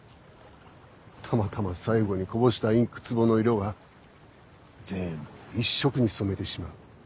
たまたま最後にこぼしたインクつぼの色が全部一色に染めてしまう。